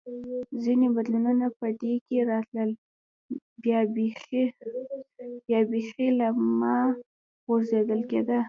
ځیني بدلونونه به په کې راتلل یا بېخي له پامه غورځول کېده